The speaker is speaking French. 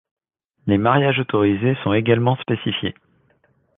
Les mariages autorisés sont également spécifiés.